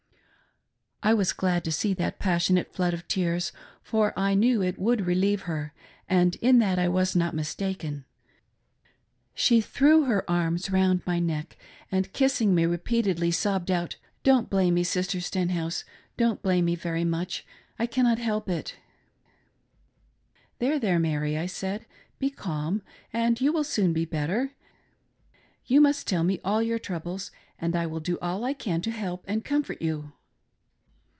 I was glad to see that passionate flood of tears, for I knew it would relieve her, and in that I was not mistaken; THE STORY OF MARY BURTON. 395 She threw her arms round my neck, and kissing me repeatedly, sobbed out: "Don't blame me, Sister Stenhouse, don't blame me very much, I cannot help it," "There, there, Mary," I said, "be calm and you will soon be better. You must tell me all your troubles, and I will do all I "can to help and comfort you."